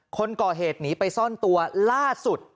คนก่อเหตุหนีไปซ่อนตัวล่าสุด